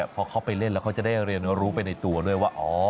พอเขาไปเล่นแล้วเขาจะได้เรียนรู้ไปในตัวด้วยว่า